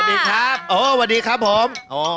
หวัดดีครับอ๋อหวัดดีครับผม